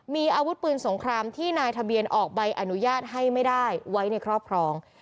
มีอาวุธปืนสงครามที่นายทะเบียนออกใบอนุญาตให้ไม่ได้ไว้ในครอบครอง